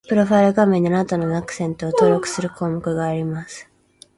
プロファイル画面に、あなたのアクセントを登録する項目があります